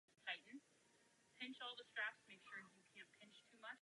Na zbývající části hřbitova roste borový les.